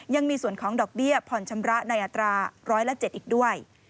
ยังมีส่วนของดอกเบี้ยผ่อนชำระในอัตราร้อยละ๗อีกด้วย